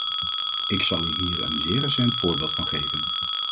Ik zal u hier een zeer recent voorbeeld van geven.